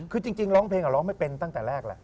คือจริงร้องเพลงร้องไม่เป็นตั้งแต่แรกแหละ